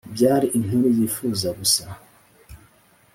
byari inkuru yifuza gusa -